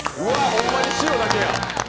ほんまに塩だけや。